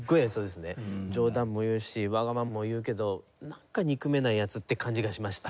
冗談も言うしわがままも言うけどなんか憎めないやつって感じがしました。